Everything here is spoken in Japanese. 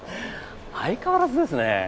相変わらずですね。